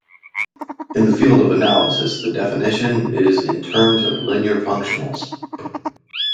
In the field of analysis, the definition is in terms of linear functionals.